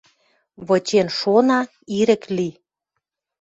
Вычен шона, ирӹк ли.